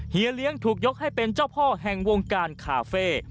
เลี้ยงถูกยกให้เป็นเจ้าพ่อแห่งวงการคาเฟ่